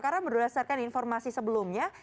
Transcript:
karena berdasarkan informasi sebelumnya